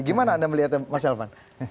gimana anda melihatnya mas elvan